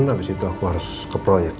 habis itu aku harus ke proyek